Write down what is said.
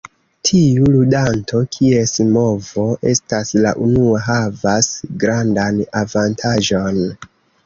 Tiu ludanto, kies movo estas la unua, havas grandan avantaĝon.